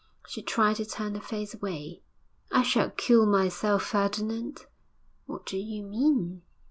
She tried to turn her face away. 'I shall kill myself, Ferdinand!' 'What do you mean?'